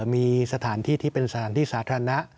มีสถานที่ที่เป็นสถานที่สาธารณะ